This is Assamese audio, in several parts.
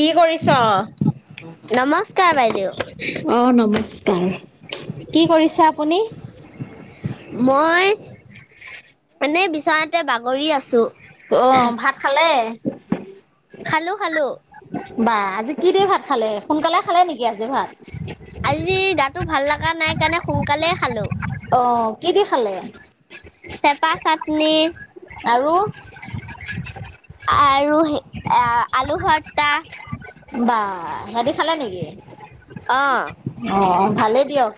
কি কৰিছ'? নমস্কাৰ বাইদেউ অ, নমস্কাৰ কি কৰিছা আপুনি? মই এনেই বিচনাতে বাগৰি আছোঁ। অ', ভাত খালে? খালোঁ - খালোঁ। বা আজি কি দি ভাত খালে, সোনকালে খালে নেকি আজি ভাত? আজি গাটো ভাল লগা নাই কাৰণে সোনকালেই খালোঁ। অ', কি দি খালে, চেপা চাটনি আৰু আৰু আলুভৰটা। বা সিহঁতি খালে নেকি? অ অ', ভালেই দিয়ক,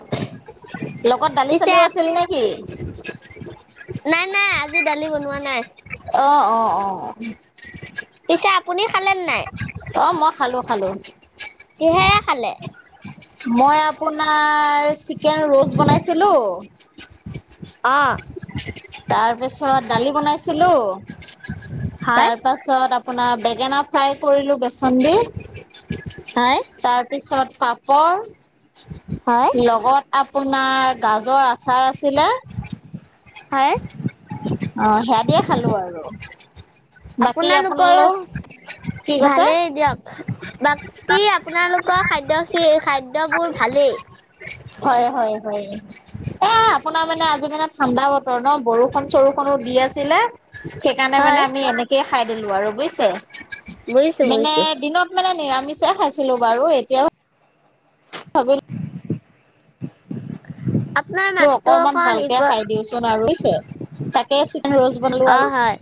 লগত দালি পিছে চালিও আপ- আছিল নেকি? নাই, নাই, আজি দালি বনোৱা নাই। অ', অ', অ'। পিছে আপুনি খালেনে নাই? অ', মই খালো, খালো। কিহেৰে খালে? মই আপোনাৰ চিকেন ৰ'ষ্ট বনাইছিলোঁ অহ। তাৰ পিছত দালি বনাইছিলো, তাৰ হয় তাৰ পাছত আপোনাৰ বেঙেনা ফ্ৰাই কৰিলোঁ বেচন দি, হয় তাৰ তাৰপিছত পাপৰ, হয় লগত আপোনাৰ গাজৰ আচাৰ আছিলে। হয়। অ', সেয়া দিয়ে খালো আৰু, বাকী আপোনালো আপোনালোকৰো ভালেই দিয়ক। বাকী আপোনালোকৰ খাদ্য, সেই খাদ্যবোৰ ভালেই। হয়, হয়, হয়, এ আপোনাৰ মানে আজিৰ দিনত ঠাণ্ডা বতৰ নহ, বৰষুণ চৰষুণো দি আছিলে। সেইকাৰণে মানে হয় আমি এনেকে খাই দিলো আৰু বুজিছে, বুজিছো মানে বুজিছো দিনত মানে নিৰামিষে খাইছিলো বাৰু, এতিয়াও [inaudible] আপোনাৰ মাতটো অকমান অকণ ভালকে ইপ খাই দিওচোন আৰু বুজিছে, তাকে চিকেন ৰষ্ট বনালো অ আৰু। হয়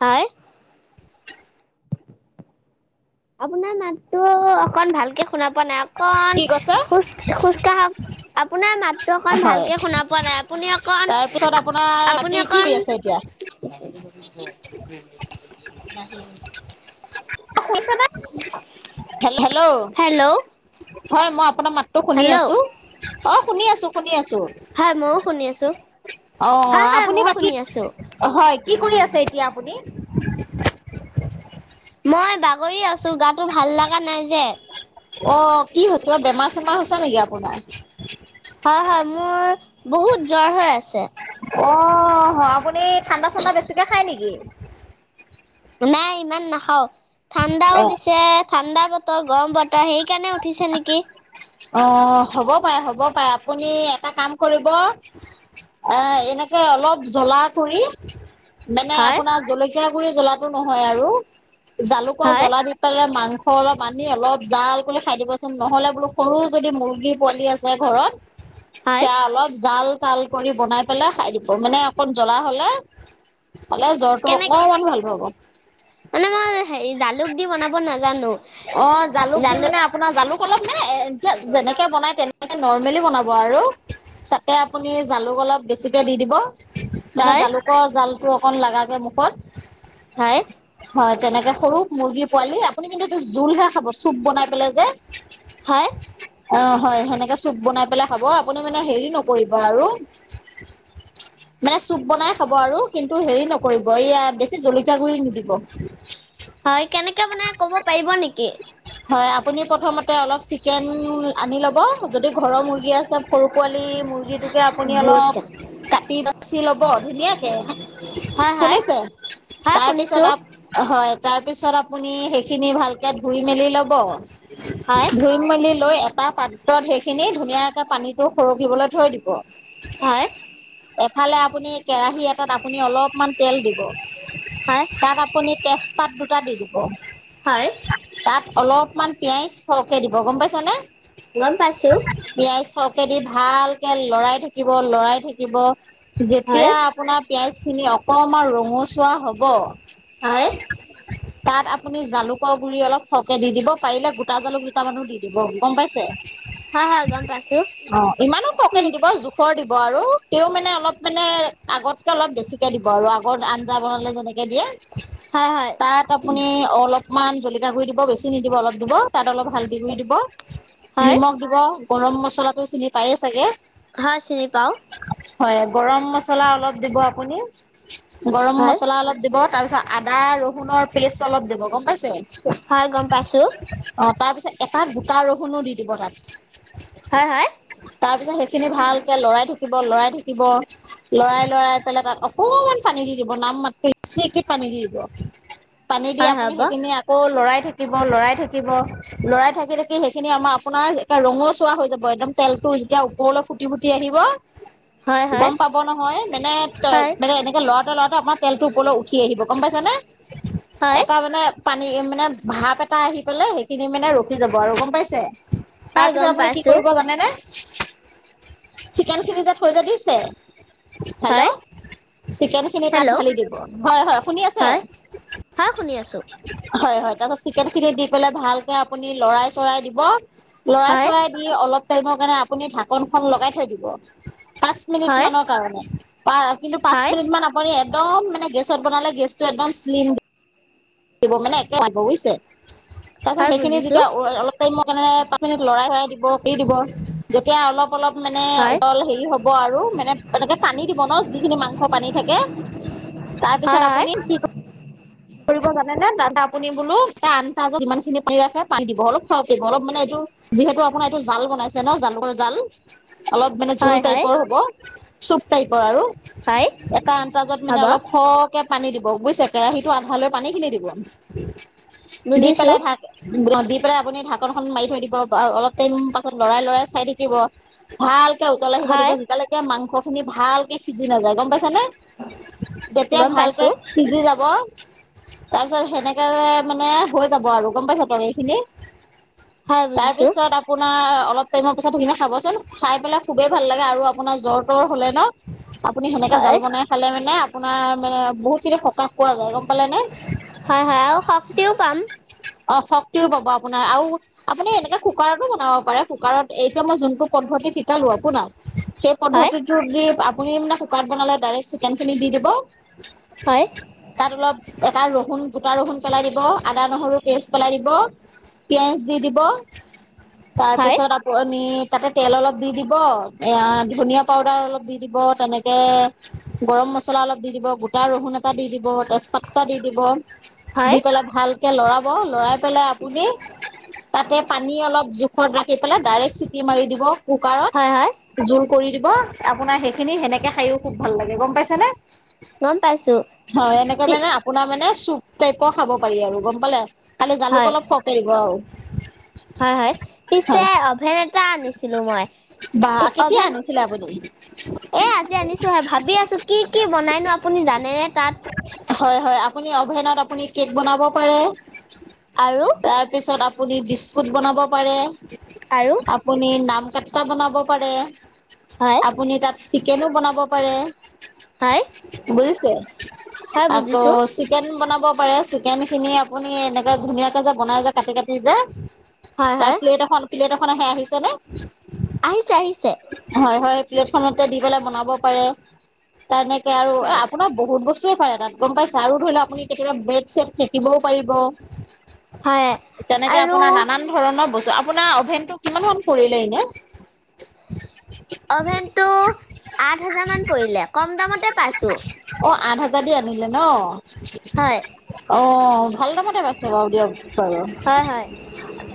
হয়। আপোনাৰ মাতটো অকন ভালকে শুনা পোৱা নাই, অকন কি কৈছে খোজ-খোজ আপোনাৰ মাতটো হয় অকণ ভালকে তাৰ পিছত শুনা আপোনাৰ পোৱা বাকী কি কৰি আছে নাই, এতিয়া আপুনি অকণ আপুনি অকণ [unintelligible] [unintelligible] [inaudible] হে-হেল্ল' হেল্ল' হয়, মই আপোনাৰ মাতটো শুনি হেল্ল' আছো। অ', শুনি আছোঁ, শুনি আছোঁ। হয়, মইও শুনি আছোঁ। হয়, হয়, আপুনি মইও বাকী শুনি আছোঁ। হয়, কি কৰি আছে এতিয়া আপুনি? মই বাগৰি আছো, গাটো ভাল লগা নাই যে। অহ, কি হৈছে বেমাৰ চেমাৰ হৈছে নেকি আপোনাৰ? হয়, হয়, মোৰ বহুত জ্বৰ হৈ আছে। অহ, আপুনি ঠাণ্ডা চাণ্ডা বেছিকে খায় নেকি? নাই ইমান নাখাওঁ, ঠাণ্ডাও অ দিছে ঠাণ্ডা বতৰ, গৰম বতৰ সেইকাৰণে উঠিছে নেকি? অহ হ'ব পাৰে, হ'ব পাৰে, আপুনি এটা কাম কৰিব [unintelligible] এনেকে অলপ জ্বলা কৰি মানে হয় আপোনাৰ জলকীয়া গুৰি জলাটো নহয় আৰু, জালুকৰ হয় জ্বলা দি পেলে মাংস অলপ আনি অলপ জাল কৰি খাই দিবচোন, নহ'লে বোলো সৰু যদি মুৰ্গী পোৱালি আছে ঘৰত, হয় [unintelligible] অলপ জাল [unintelligible] কৰি বনাই পেলাই খাই দিব, মানে অকণ জ্বলা হলে হ'লে জ্বৰটো কেনে অকমান ভাল হব। মানে মই হেৰি জালুক দি বনাব নাজানো, অ জালুক দি জালু মানে আপোনাৰ জালুক অলপ নে, এতিয়া যেনেকে বনাই তেনে নৰ্মেলি বনাব আৰু, তাতে আপুনি জালুক অলপ বেছিকে দি দিব। মানে হয় জালুকৰ জালটো অকণ লাগাকে মুখত। হয়। হয় তেনেকে সৰু মুৰ্গীৰ পোৱালি আপুনি কিন্তু, এইটো জোলহে খাব চুপ বনাই পেলাই যে। হয়। অ' হয় সেনেকে চুপ বনাই পেলাই খাব আপুনি মানে হেৰি নকৰিব আৰু [inaudible] মানে চুপ বনাই খাব আৰু কিন্তু হেৰি নকৰিব এইয়া, বেছি জলকীয়া গুড়ি নিদিব। হয় কেনেকে বনাই ক'ব পাৰিব নেকি? হয় আপুনি প্ৰথমতে অলপ চিকেন আনি ল'ব, যদি ঘৰৰ মুৰ্গী আছে সৰু পোৱালী মুৰ্গীটোকে আপুনি অলপ কাটি বাচি ল'ব ধুনীয়াকে, হয় হয় শুনিছে হয় তাৰপিছত শুনিছো আ হয় তাৰপিছত আপুনি সেইখিনি ভালকে ধুই মেলি ল'ব। হয় [unintelligible] মেলি লৈ এটা পাত্ৰত সেইখিনি ধুনীয়াকে পানীটো সৰকিবলৈ থৈ দিব। হয়। এফালে আপুনি কেৰাহী এটাত আপুনি অলপমান তেল দিব। হয়। তাত আপুনি টেজপাত দুটা দি দিব। হয়। তাত অলপমান পিয়াজ সৰহকে দিব গম পাইছে নে? গম পাইছো। পিয়াজ সৰহকে দি, ভালকে লৰাই থাকিব লৰাই থাকিব যেতিয়া হয় আপোনাৰ পিঁয়াজখিনি অকণমান ৰঙচুৱা হ'ব। হয়। তাত আপুনি জালুকৰ গুড়ি অলপ সৰহকে দি দিব পাৰিলে গোটা জালুক দুটামানো দি দিব গম পাইছে? হয় হয় গম পাইছো অ' ইমানো সৰহকে নিদিব জো খৰ দিব আৰু তেও মানে অলপ মানে আগতকৈ অলপ বেছিকে দিব আৰু আগত আঞ্জা বনালে যেনেকৈ দিয়ে। হয় হয় তাত আপুনি অলপমান জলকীয়া গুড়ি দিব, বেছি নিদিব অলপ দিব তাত অলপ হালধি গুড়ি দিব, হয় নিমখ দিব, গৰম মছলাটো চিনি পায়েই চাগে? হয় চিনি পাও। হয় গৰম মছলা অলপ দিব আপুনিও, গৰম হয় মছলা অলপ দিব তাৰপিছত আদা ৰহুনৰ পেষ্ট অলপ দিব গম পাইছে? হয় গম পাইছো। অ' তাৰ পিছত এটা গোটা ৰহুনো দি দিব তাত। হয়, হয়। তাৰ পিছত সেইখিনি ভালকে লৰাই থাকিব, লৰাই থাকিব। লৰাই লৰাই পেলাই তাত অকমান পানী দি দিব নাম মাত্ৰ [unintelligible] পানী দি দিব। পানী দি হয় আপুনি হ'ব সেইখিনি আকৌ লৰাই থাকিব, লৰাই থাকিব। লৰাই থাকি থাকি সেইখিনি আমাৰ আপোনাৰ এক ৰঙচুৱা হৈ যাব, একদম তেলটো যেতিয়া ওপৰলৈ ফুটি ফুটি আহিব [inaudible] গম পাব নহয় মানে, হয় মানে এনেকে লৰাওতে লৰাওতে আপোনাৰ তেলটোৰ ওপৰলৈ উঠি আহিব গম পাইছে নে? হয় এটা মানে পানী মানে ভাপ এটা আহি পেলাই সেইখিনি মানে ৰখি যাব আৰু গম পাইছে? তাৰ হয় পিছত গম আপুনি কি পাইছো কৰিব জানেনে? চিকেন খিনি যে থৈ যে দিছে, হেল্ল' হয় চিকেন খিনি তাত হেল্ল' ঢালি দিব। হয়, হয় শুনি আছে? হয় হয় শুনি আছো হয়, হয় তাৰপাছত চিকেন খিনি দি পেলাই ভালকে আপুনি লৰাই চৰায় দিব, লৰাই হয় চৰায় অলপ টাইমৰ কাৰণে আপুনি ঢাকনখন লগাই থৈ দিব। পাঁচ মিনিট হয় মানৰ কাৰণে কিন্তু পাঁচ হয় মিনিট মান আপুনি একদম মানে গেছত বনালে গেছটো একদম চ্লিম মানে একে বুজিছে তাৰপিছত হয় সেইখিনি বুজিছো যেতিয়া অলপ অলপ টাইমৰ কাৰনে পাঁচ মিনিট লৰাই-হৰাই দিব কি দিব। যেতিয়া অলপ অলপ মানে হয় উতল হেৰি হ'ব আৰু মানে, এনেকে পানী দিব ন' যিখিনি মাংস পানী থাকে। [inaudible] তাৰ হয় পিছত হয় আপুনি কি কৰিব জানে নে? তাতে আপুনি বোলো অন্তাজত যিমান খিনি পানী ৰাখে পানী দিব অলপ সৰহকে দিব অলপ মানে এইটো যিহেতু আপোনাৰ এইটো জাল বনাইছে ন' জালুকৰ জাল। অলপ মানে জোল হয় হয় টাইপৰ হ'ব, চুপ টাইপৰ আৰু। হয় এটা আন্তাজত মানে হ'ব অলপ সৰহকে পানী দিব বুজিছে কেৰাহিত আধা লৈ পানী খিনি দিব দি বুজিছো পেলাই ভাত দি পেলাই আপুনি ঢাকনখন মাৰি থৈ দিব, অলপ টাইম পাছত লৰাই লৰাই চাই থাকিব। ভালকে উতল আহিব দিব, হয় যেতিয়ালৈকে মাংস খিনি ভালকে সিজি নাযায় গ'ম পাইছা নে? যেতিয়া গম ভালকে পাইছো সিজি যাব। তাৰপিছত সেনেকে মানে হৈ যাব আৰু গ'ম পাইছে তৰকাৰী খিনি। হয় বুজিছো তাৰপিছত আ আপোনাৰ অলপ টাইমৰ পিছত সিখিনি খাবচোন, খাই পেলাই খুবেই ভাল লাগে আৰু আপোনাৰ জ্বৰ-তৰ হ'লে ন' আপুনি সেনেকে জাল হয় বনাই খালে মানে আপোনাৰ মানে বহুতখিনি সকাহ পোৱা যায় গ'ম পালে নে? হয় হয় আৰু শক্তিও পাম অ', শক্তিও পাব আপোনাৰ আৰু আপুনি এনেকে কুকাৰতো বনাব পাৰে, কুকাৰত এতিয়া মই জোনটো পদ্ধতি শিকালো আপোনাক, সেই হয় পদ্ধতিটো দি আপুনি মানে কুকাৰত বনালে ডাইৰেক্ট চিকেন খিনি দি দিব। হয় তাত অলপ এটা ৰহুন গোটা ৰহুন পেলাই দিব, আদা-নহৰু পেষ্ট পেলাই দিব। পিয়াজ দি দিব তাৰ হয় পিছত তাতে তেল অলপ দি দিব, এ ধনিয়া পাউদাৰ অলপ দি দিব তেনেকে গৰম মছলা অলপ দি দিব গোটা ৰহুন এটা দি দিব তেজপাত দি দিব দি হয় পেলাই ভালকে লৰাব, লৰাই পেলাই আপুনি তাতে পানী অলপ জোখত ৰাখি পেলাই ডাইৰে্ট চিটি মাৰি দিব। হয় হয় কুকাৰত জোল কৰি দিব আপোনাৰ সেইখিনি সেনেকে খায়ও খুব ভাল লাগে গ'ম পাইছে নে? গ'ম পাইছোঁ। হয়, এনেকে মানে আপোনাৰ মানে চুপ টাইপৰ খাব পাৰি আৰু গ'ম পালে? খালী জালুক হয় অলপ সৰহকে দিব আৰু। হয়, হয়, পিছে হয় অভেন এটা আনিছিলো মই। বা এই কেতিয়া অভেন আনিছিলে আপুনি? এ আজি আনিছো হে, ভাবি আছো কি কি বনাইনো আপুনি জানে তাত? হয় হয়, আপুনি অভেনত কেক বনাব পাৰে, আৰু তাৰ পিছত আপুনি বিস্কুট বিস্কুট বনাব পাৰে, আৰু আপুনি নাম কাতটা বনাব পাৰে। হয়। আপুনি তাত চিকেনো বনাব পাৰে হয় বুজিছে? হয় বুজিছো চিকেন বনাব পাৰে, চিকেন খিনি আপুনি এনেকে ধুনীয়াকে যে, বনাই যে কাটি কাটি যে। হয় তাৰ হয় প্লেট এখন প্লেট এখন আহে আহিছে নে? আহিছে আহিছে। হয়, হয়, প্লেটখনতে দি পেলাই বনাব পাৰে, তেনেকে আৰু হয় আপোনাৰ বহুত বস্তু পাৰে তাত গ'ম পাইছে? আৰু ধৰি লওক আপুনি কেতিয়াবা ব্ৰেড-চেড সেকিবও পাৰিব। হয় তেনেকে আৰু আপোনাৰ নানান ধৰণৰ বস্তু, আপোনাৰ অভেনতটো কিমান মন পৰিলে এনে? অভেনটো আঠ হাজাৰমান পৰিলে কম দামতে পাইছোঁ। অ', আঠ হাজাৰ দি আনিলে ন'? হয় অঁ', ভাল দামতে পাইছে বাৰু দিয়ক বাৰু। হয় হয়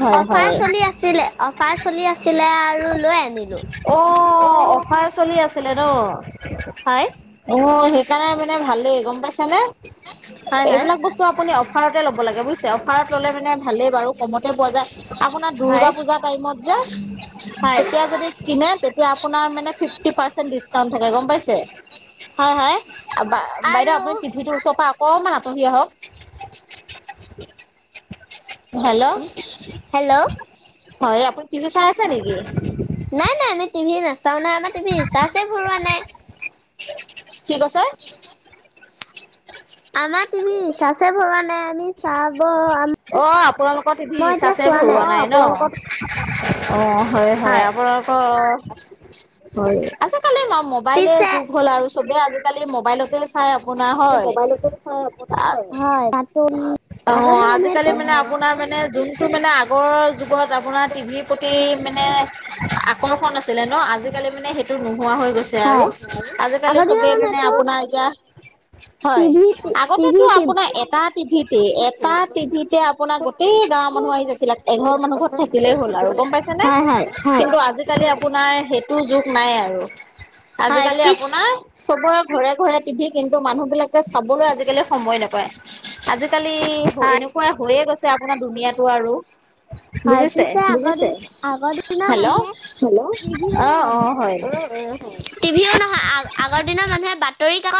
হয় অফাৰ হয় চলি আছিলে, অফাৰ চলি আছিলে আৰু লৈ আনিলো অ অ' অফাৰ চলি আছিলে ন'? হয় অ', সেইকাৰণে মানে ভালে গ'ম পাইছানে? হয় হয় এইবিলাক বস্তু আপুনি অফাৰতে ল'ব লাগে বুজিছে। অফাৰত ল'লে মানে ভালেই বাৰু কমতে পোৱা যায়। আপোনাৰ দ দুৰ্গা হয় পূজা টাইমত যে হয় তেতিয়া যদি কিনে, তেতিয়া আপোনাৰ মানে ফিফটি পাৰ্চেন্ট ডিচকাউন্ট থাকে গম পাইছে। হয় হয় বাই-বাইদো আৰু আপুনি যিটোৰ ওচৰ পৰা অকণমান আঁতৰি আহক। হেল্ল, হেল্ল' হয় আপুনি টি ভি চাই আছে নেকি? নাই নাই আমি টিভি নাচাওঁ নহয় আমাৰ টিভি চাৰ্জ ভৰোৱা নাই। কি কৈছে? [inaudible] [unintelligible] আমাৰ টি ভিৰ ৰিচাৰ্ছে ভৰোৱা নাই। আমি চাব অ আপোনালোকৰ টিভিৰ মই এতিয়া ৰিচাৰজে চোৱা ভৰৱোৱা নাই ন। অ হয় হয় আপ অ অ আজিকালি মোবাইলে পিছে যুগ হল আৰু চবে আজ কালি মোবাইলতে চাই আপোনাৰ হয়। মোবাইলতো চাই আপোনাৰ অ হয় আগ আজিকালি মানে আপোনাৰ মানে যোনটো মানে আগৰ যুগত আপোনাৰ টিভিৰ প্ৰতি মানে আকৰ্ষণ আছিলে ন আজিকালি মানে সেইটো নোহোৱা হৈ গৈছে হয় আৰু। আজিকালি আগৰ দিনৰ চবে মানে মানুহেতো আপোনাৰ [unintelligible] হয়। টিভি টিভি আগতেতো কি আপোনাৰ এটা টিভিত এটা টিভিতে আপোনাৰ গোটেই গাঁৱৰ মানুহ আহি গৈছিলে। এঘৰ মানুহ ঘৰত থাকি থাকিলেই হ'ল আৰু গম পাইছেনে। হয় হয় হয়। কিন্তু আজিকালি আপোনাৰ সেইটো যুগ নাই আৰু। [inaudible] আজিকালি পিছ আপোনাৰ চবৰে ঘৰে ঘৰে টিভি কিন্তু মানুহবলাকে চাবলৈ আজিকালি সময় নাপায়। আজ আজিকালি হয়। এনেকুৱা হৈয়ে গৈছে আপোনাৰ দুুনীয়াতটো আৰু। হয় বুজিছে। পিছে আগৰ আগৰ দিনৰ হেল্ল' মানুহে টিভিও অ', নহয় অ', হয়। টিভিও নহয় আ-আগৰ দিনৰ মানুহে বাতৰি কাকত